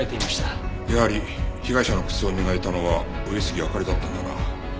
やはり被害者の靴を磨いたのは上杉明里だったんだな。